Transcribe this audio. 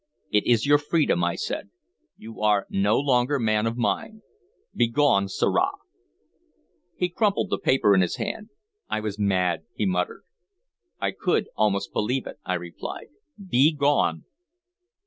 "It is your freedom," I said. "You are no longer man of mine. Begone, sirrah!" He crumpled the paper in his hand. "I was mad," he muttered. "I could almost believe it," I replied. "Begone!"